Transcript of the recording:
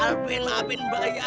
alvin maafin mbak ya